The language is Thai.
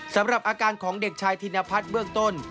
สำหรับอาการของเด็กชายธินพัฒน์เบื้องต้น